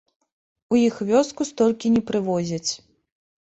У іх вёску столькі не прывозяць.